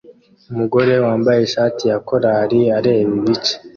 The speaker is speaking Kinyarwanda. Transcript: Umugore wambaye ishati ya korali areba ibice